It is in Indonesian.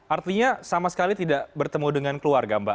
artinya sama sekali tidak bertemu dengan keluarga mbak